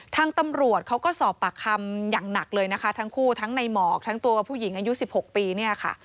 ทางตำรวจเขาก็สอบปากคำอย่างหนักเลยนะคะทั้งคู่ทั้งในหมอกทั้งตัวผู้หญิงอายุ๑๖ปีเนี่ยค่ะ